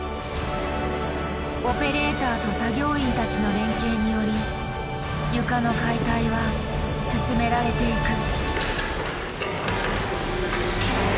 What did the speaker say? オペレーターと作業員たちの連携により床の解体は進められていく。